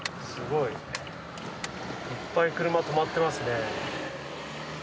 いっぱい車停まってますね。